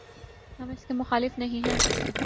ہم اس کے مخالف نہیں ہیں۔